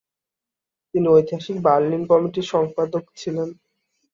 তিনি ঐতিহাসিক বার্লিন কমিটির সম্পাদক ছিলেন।